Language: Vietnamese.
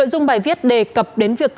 nội dung bài viết đề cập đến việc